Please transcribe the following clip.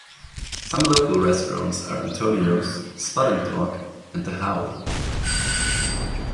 Some local restaurants are Antonio's, Spud and Dog, and The Howey.